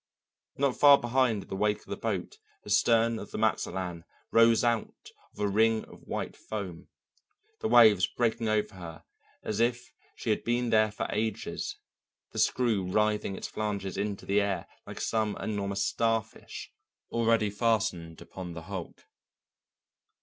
Not far behind in the wake of the boat the stern of the Mazatlan rose out of a ring of white foam, the waves breaking over her as if she had been there for ages, the screw writhing its flanges into the air like some enormous starfish already fastened upon the hulk.